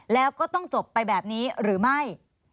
แล้วก็ต้องจบไปแบบนี้หรือไม่